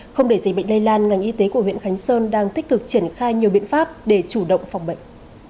không để dịch bệnh lây lan ngành y tế của huyện khánh sơn đang tích cực triển khai nhiều biện pháp để chủ động phòng bệnh